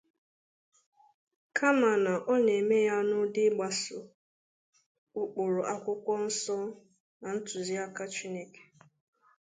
kama na ọ na-eme ya n'ụdị ịgbaso ụkpụrụ akwụkwọ nsọ na ntụziaka Chineke.